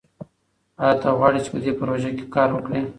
ایا ته غواړې چې په دې پروژه کې کار وکړې؟